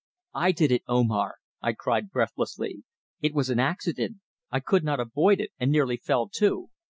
"I did it, Omar," I cried breathlessly. "It was an accident. I could not avoid it, and nearly fell, too."